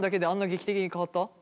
劇的に変わった？